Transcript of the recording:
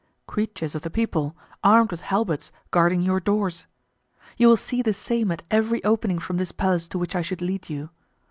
Creatures of the people, armed with halberds, guarding your doors. You will see the same at every opening from this palace to which I should lead you.